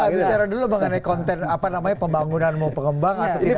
kita bicara dulu mengenai konten apa namanya pembangunan mau pengembang atau tidak